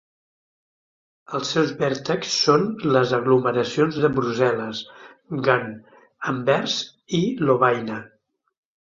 Els seus vèrtexs són les aglomeracions de Brussel·les, Gant, Anvers i Lovaina.